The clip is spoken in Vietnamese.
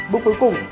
bước cuối cùng